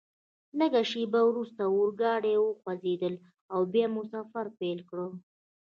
لږ شیبه وروسته اورګاډي وخوځېدل او بیا مو سفر پیل کړ.